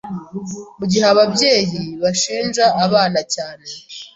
Mu gihe ababyeyi bashinja abana cyane